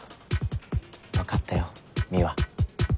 分かったよ美和。